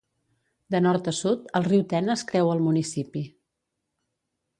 De nord a sud, el riu Tenes creua el municipi.